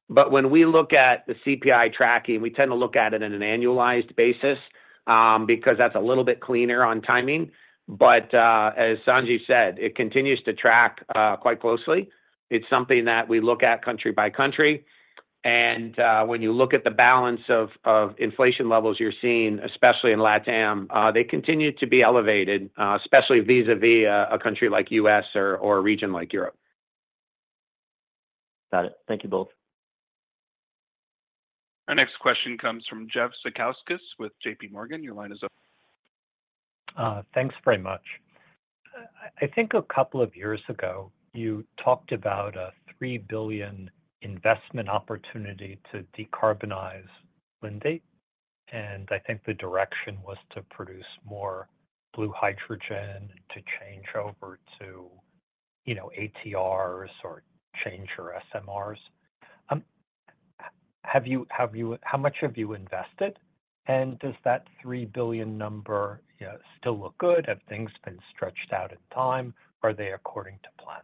But when we look at the CPI tracking, we tend to look at it on an annualized basis because that's a little bit cleaner on timing. But as Sanjiv said, it continues to track quite closely. It's something that we look at country by country. And when you look at the balance of inflation levels you're seeing, especially in LATAM, they continue to be elevated, especially vis-à-vis a country like U.S. or a region like Europe. Got it. Thank you both. Our next question comes from Jeffrey Zekauskas with J.P. Morgan. Your line is open. Thanks very much. I think a couple of years ago, you talked about a $3 billion investment opportunity to decarbonize Linde. I think the direction was to produce more blue hydrogen to change over to ATRs or change your SMRs. How much have you invested? Does that $3 billion number still look good? Have things been stretched out in time? Are they according to plan?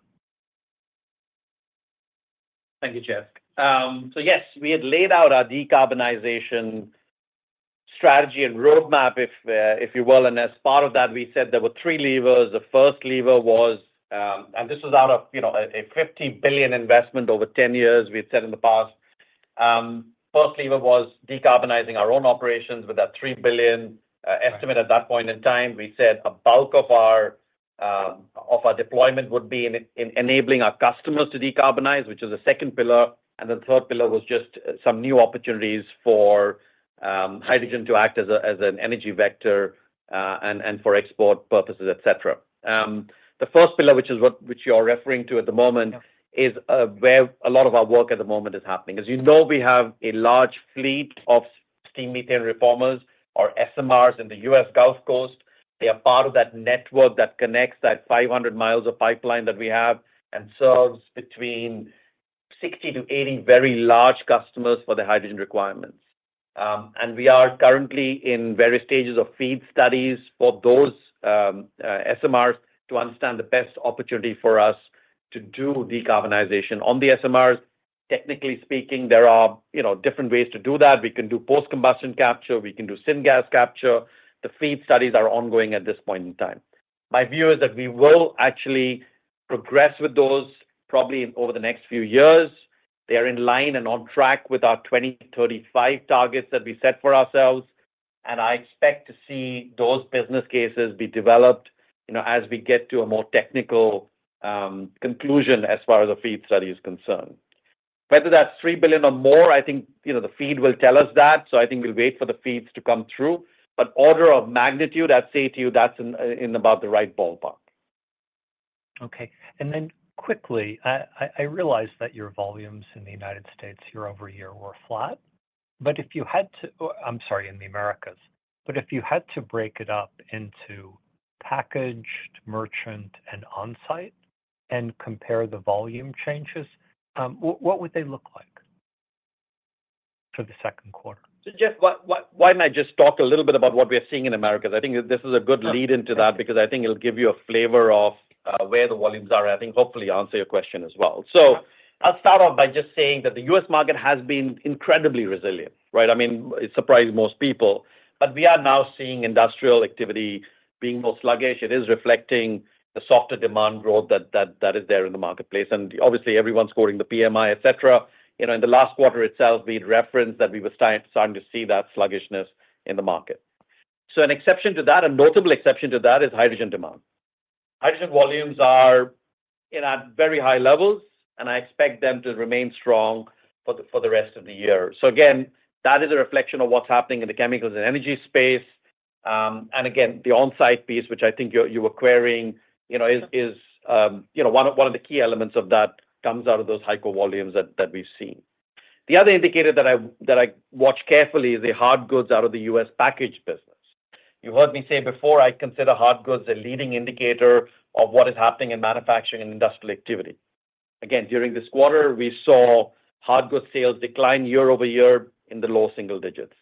Thank you, Jeff. So yes, we had laid out our decarbonization strategy and roadmap, if you will. And as part of that, we said there were three levers. The first lever was, and this was out of a $50 billion investment over 10 years we've said in the past. First lever was decarbonizing our own operations with that $3 billion estimate at that point in time. We said a bulk of our deployment would be in enabling our customers to decarbonize, which is the second pillar. And the third pillar was just some new opportunities for hydrogen to act as an energy vector and for export purposes, etc. The first pillar, which you're referring to at the moment, is where a lot of our work at the moment is happening. As you know, we have a large fleet of steam methane reformers or SMRs in the U.S. Gulf Coast. They are part of that network that connects that 500 miles of pipeline that we have and serves between 60-80 very large customers for the hydrogen requirements. We are currently in various stages of FEED studies for those SMRs to understand the best opportunity for us to do decarbonization on the SMRs. Technically speaking, there are different ways to do that. We can do post-combustion capture. We can do syngas capture. The FEED studies are ongoing at this point in time. My view is that we will actually progress with those probably over the next few years. They are in line and on track with our 2035 targets that we set for ourselves. I expect to see those business cases be developed as we get to a more technical conclusion as far as the FEED study is concerned. Whether that's $3 billion or more, I think the FEED will tell us that. So I think we'll wait for the FEEDs to come through. But order of magnitude, I'd say to you that's in about the right ballpark. Okay. And then quickly, I realize that your volumes in the United States year-over-year were flat. But if you had to, I'm sorry, in the Americas, but if you had to break it up into packaged, merchant, and onsite and compare the volume changes, what would they look like for the second quarter? So Jeff, why not just talk a little bit about what we're seeing in Americas? I think this is a good lead into that because I think it'll give you a flavor of where the volumes are. I think hopefully answer your question as well. So I'll start off by just saying that the U.S. market has been incredibly resilient, right? I mean, it surprised most people. But we are now seeing industrial activity being more sluggish. It is reflecting the softer demand growth that is there in the marketplace. And obviously, everyone's quoting the PMI, etc. In the last quarter itself, we'd referenced that we were starting to see that sluggishness in the market. So an exception to that, a notable exception to that, is hydrogen demand. Hydrogen volumes are at very high levels. And I expect them to remain strong for the rest of the year. So again, that is a reflection of what's happening in the chemicals and energy space. Again, the onsite piece, which I think you were querying, is one of the key elements of that comes out of those higher volumes that we've seen. The other indicator that I watch carefully is the hard goods out of the U.S. packaged business. You heard me say before I consider hard goods a leading indicator of what is happening in manufacturing and industrial activity. Again, during this quarter, we saw hard goods sales decline year-over-year in the low single digits.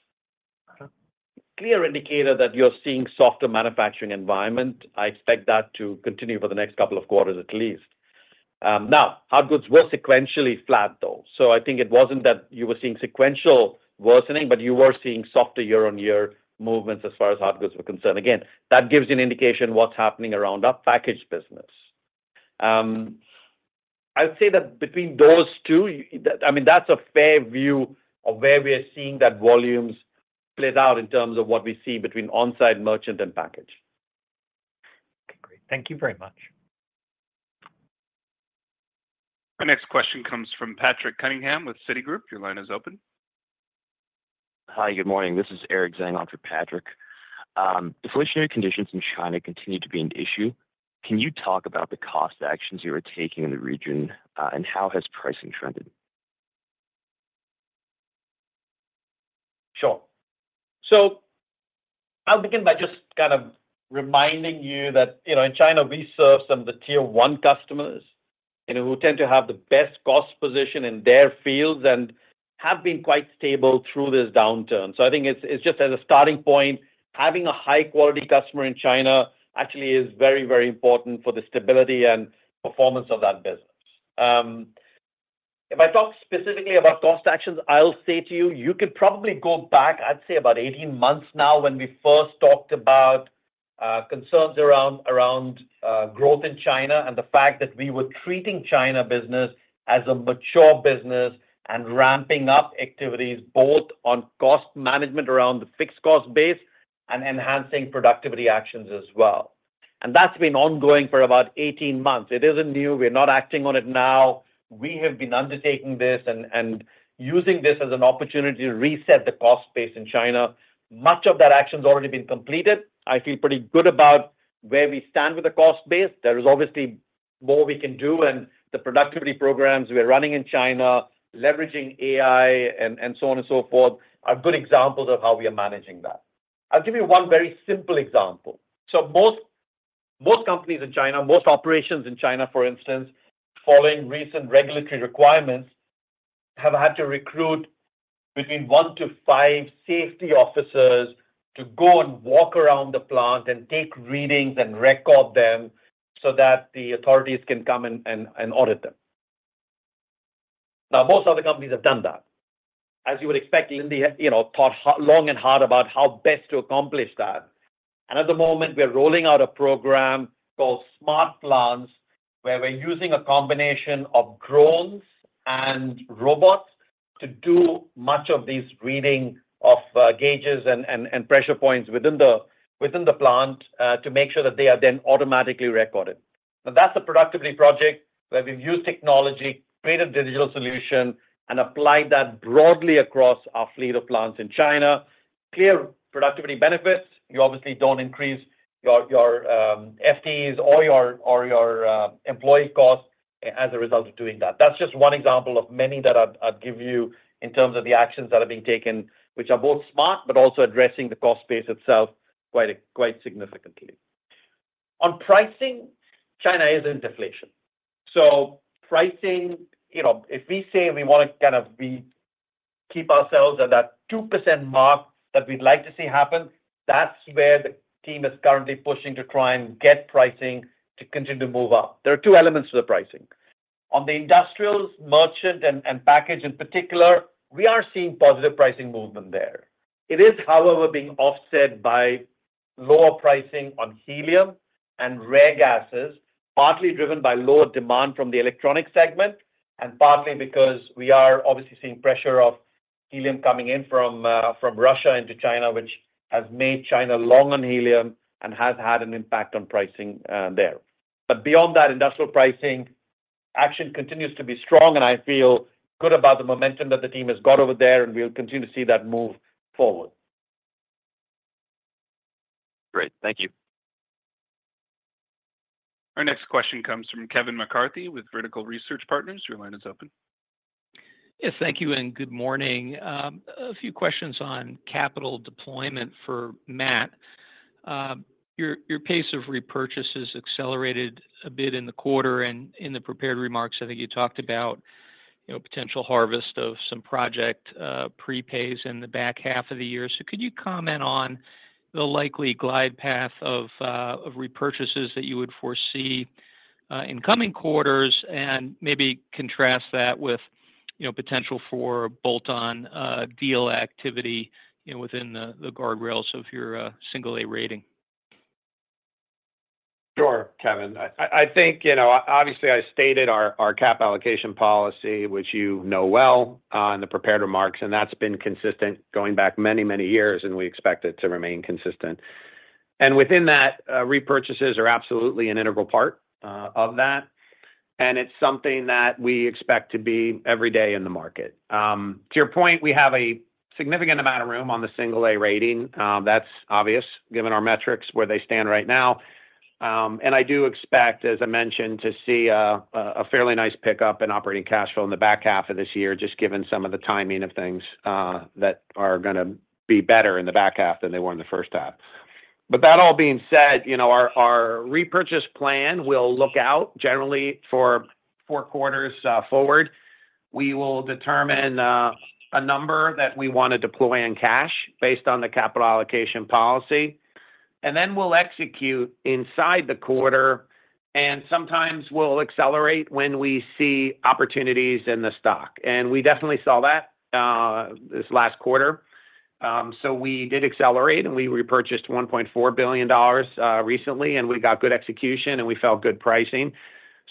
Clear indicator that you're seeing softer manufacturing environment. I expect that to continue for the next couple of quarters at least. Now, hard goods were sequentially flat, though. So I think it wasn't that you were seeing sequential worsening, but you were seeing softer year-on-year movements as far as hard goods were concerned. Again, that gives you an indication of what's happening around our packaged business. I'd say that between those two, I mean, that's a fair view of where we're seeing that volumes play out in terms of what we see between on-site, merchant, and packaged. Okay. Great. Thank you very much. Our next question comes from Patrick Cunningham with Citigroup. Your line is open. Hi. Good morning. This is Eric Zhang for Patrick. Deflationary conditions in China continue to be an issue. Can you talk about the cost actions you are taking in the region, and how has pricing trended? Sure. So I'll begin by just kind of reminding you that in China, we serve some of the tier-one customers who tend to have the best cost position in their fields and have been quite stable through this downturn. So I think it's just as a starting point, having a high-quality customer in China actually is very, very important for the stability and performance of that business. If I talk specifically about cost actions, I'll say to you, you could probably go back, I'd say, about 18 months now when we first talked about concerns around growth in China and the fact that we were treating China business as a mature business and ramping up activities both on cost management around the fixed cost base and enhancing productivity actions as well. That's been ongoing for about 18 months. It isn't new. We're not acting on it now. We have been undertaking this and using this as an opportunity to reset the cost base in China. Much of that action's already been completed. I feel pretty good about where we stand with the cost base. There is obviously more we can do. And the productivity programs we're running in China, leveraging AI and so on and so forth, are good examples of how we are managing that. I'll give you one very simple example. So most companies in China, most operations in China, for instance, following recent regulatory requirements, have had to recruit between one to five safety officers to go and walk around the plant and take readings and record them so that the authorities can come and audit them. Now, most other companies have done that. As you would expect, Linde thought long and hard about how best to accomplish that. At the moment, we're rolling out a program called Smart Plants where we're using a combination of drones and robots to do much of these readings of gauges and pressure points within the plant to make sure that they are then automatically recorded. Now, that's a productivity project where we've used technology, created a digital solution, and applied that broadly across our fleet of plants in China. Clear productivity benefits. You obviously don't increase your FTEs or your employee costs as a result of doing that. That's just one example of many that I'd give you in terms of the actions that are being taken, which are both smart but also addressing the cost base itself quite significantly. On pricing, China is in deflation. So pricing, if we say we want to kind of keep ourselves at that 2% mark that we'd like to see happen, that's where the team is currently pushing to try and get pricing to continue to move up. There are two elements to the pricing. On the industrial, merchant, and packaged in particular, we are seeing positive pricing movement there. It is, however, being offset by lower pricing on helium and rare gases, partly driven by lower demand from the electronics segment and partly because we are obviously seeing pressure of helium coming in from Russia into China, which has made China long on helium and has had an impact on pricing there. But beyond that, industrial pricing action continues to be strong. And I feel good about the momentum that the team has got over there. And we'll continue to see that move forward. Great. Thank you. Our next question comes from Kevin McCarthy with Vertical Research Partners. Your line is open. Yes. Thank you. Good morning. A few questions on capital deployment for Matt. Your pace of repurchases accelerated a bit in the quarter. In the prepared remarks, I think you talked about potential harvest of some project prepays in the back half of the year. Could you comment on the likely glide path of repurchases that you would foresee in coming quarters and maybe contrast that with potential for bolt-on deal activity within the guardrails of your single-A rating? Sure, Kevin. I think obviously, I stated our capital allocation policy, which you know well, in the prepared remarks. And that's been consistent going back many, many years. And we expect it to remain consistent. And within that, repurchases are absolutely an integral part of that. And it's something that we expect to be every day in the market. To your point, we have a significant amount of room on the single-A rating. That's obvious given our metrics where they stand right now. And I do expect, as I mentioned, to see a fairly nice pickup in operating cash flow in the back half of this year, just given some of the timing of things that are going to be better in the back half than they were in the first half. But that all being said, our repurchase plan will look out generally for four quarters forward. We will determine a number that we want to deploy in cash based on the capital allocation policy. Then we'll execute inside the quarter. Sometimes we'll accelerate when we see opportunities in the stock. We definitely saw that this last quarter. We did accelerate. We repurchased $1.4 billion recently. We got good execution. We felt good pricing.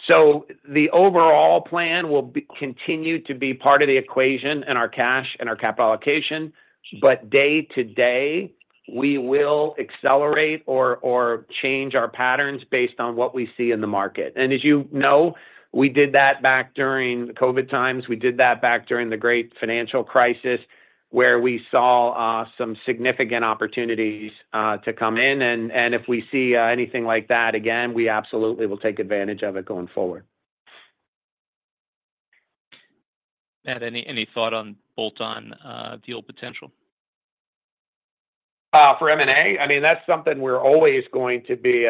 The overall plan will continue to be part of the equation in our cash and our capital allocation. But day to day, we will accelerate or change our patterns based on what we see in the market. As you know, we did that back during COVID times. We did that back during the great financial crisis where we saw some significant opportunities to come in. If we see anything like that again, we absolutely will take advantage of it going forward. Matt, any thought on bolt-on deal potential? For M&A? I mean, that's something we're always going to be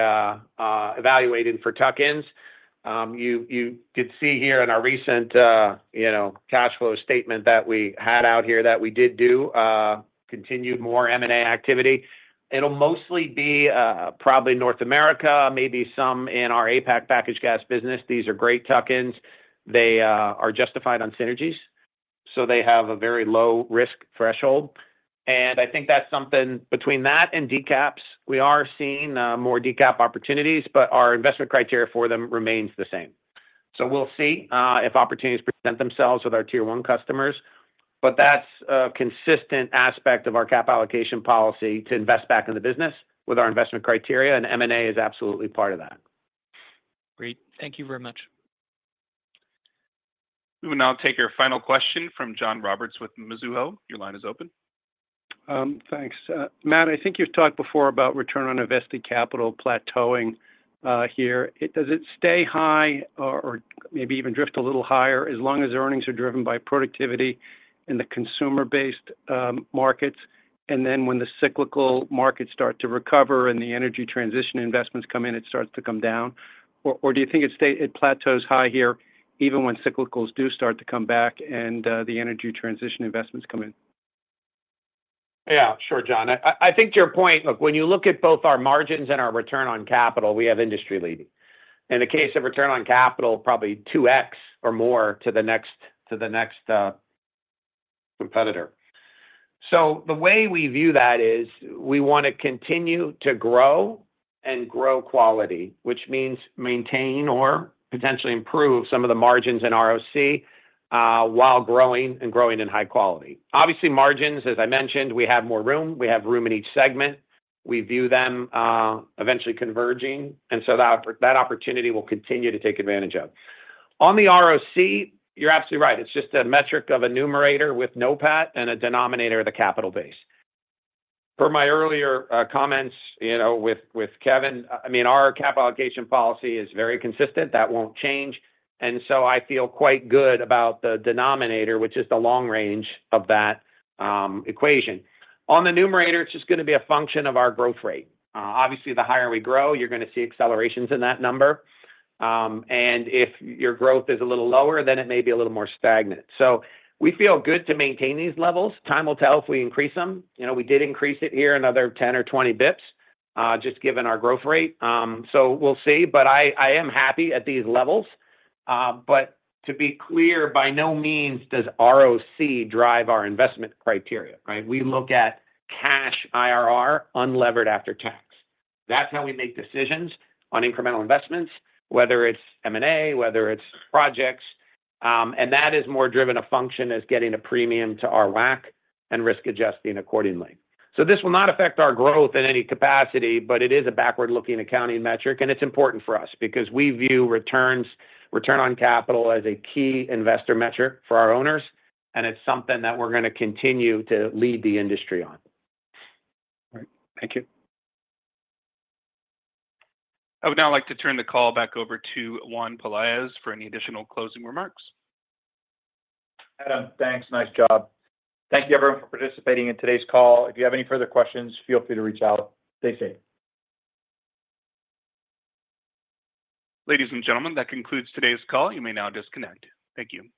evaluating for tuck-ins. You could see here in our recent cash flow statement that we had out here that we did do continued more M&A activity. It'll mostly be probably North America, maybe some in our APAC packaged gas business. These are great tuck-ins. They are justified on synergies, so they have a very low risk threshold. And I think that's something between that and DCAPs. We are seeing more DCAP opportunities, but our investment criteria for them remains the same. So we'll see if opportunities present themselves with our tier-one customers. But that's a consistent aspect of our cap allocation policy to invest back in the business with our investment criteria. And M&A is absolutely part of that. Great. Thank you very much. We will now take your final question from John Roberts with Mizuho. Your line is open. Thanks. Matt, I think you've talked before about return on invested capital plateauing here. Does it stay high or maybe even drift a little higher as long as earnings are driven by productivity in the consumer-based markets? And then when the cyclical markets start to recover and the energy transition investments come in, it starts to come down? Or do you think it plateaus high here even when cyclicals do start to come back and the energy transition investments come in? Yeah. Sure, John. I think to your point, look, when you look at both our margins and our return on capital, we have industry leading. In the case of return on capital, probably 2x or more to the next competitor. So the way we view that is we want to continue to grow and grow quality, which means maintain or potentially improve some of the margins in ROC while growing and growing in high quality. Obviously, margins, as I mentioned, we have more room. We have room in each segment. We view them eventually converging. And so that opportunity we'll continue to take advantage of. On the ROC, you're absolutely right. It's just a metric of a numerator with no fat and a denominator of the capital base. For my earlier comments with Kevin, I mean, our capital allocation policy is very consistent. That won't change. So I feel quite good about the denominator, which is the long range of that equation. On the numerator, it's just going to be a function of our growth rate. Obviously, the higher we grow, you're going to see accelerations in that number. If your growth is a little lower, then it may be a little more stagnant. We feel good to maintain these levels. Time will tell if we increase them. We did increase it here another 10 or 20 basis points just given our growth rate. We'll see. I am happy at these levels. To be clear, by no means does ROC drive our investment criteria, right? We look at cash IRR unlevered after tax. That's how we make decisions on incremental investments, whether it's M&A, whether it's projects. That is more driven as a function of getting a premium to our WACC and risk-adjusting accordingly. So this will not affect our growth in any capacity, but it is a backward-looking accounting metric. It's important for us because we view return on capital as a key investor metric for our owners. And it's something that we're going to continue to lead the industry on. All right. Thank you. I would now like to turn the call back over to Juan Pelaez for any additional closing remarks. Adam, thanks. Nice job. Thank you, everyone, for participating in today's call. If you have any further questions, feel free to reach out. Stay safe. Ladies and gentlemen, that concludes today's call. You may now disconnect. Thank you.